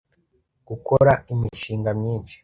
gukora imishinga myinshi